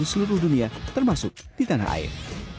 di seluruh dunia termasuk di tanah air